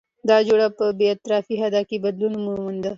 دا جوړه په بې طرفه حد کې بدلون وموند؛